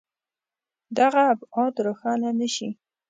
دغه ابعاد روښانه نه شي.